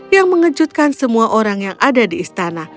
yang mengejutkan semua orang yang ada di istana